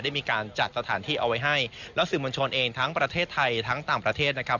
ได้มีการจัดสถานที่เอาไว้ให้แล้วสื่อมวลชนเองทั้งประเทศไทยทั้งต่างประเทศนะครับ